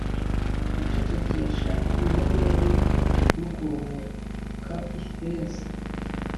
gucecekesha inyenyeri no kuruhuka ifeza.